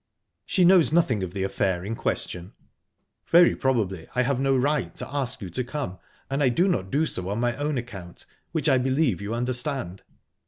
She knows nothing of the affair in question. Very probably I have no right to ask you to come, and I do not do so on my own account which I believe you understand.